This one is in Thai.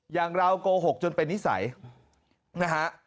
อย่างเราโกหกจนเป็นนิสัยนะฮะ